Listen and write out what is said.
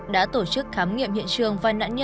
đã tổ chức khám nghiệm hiện trường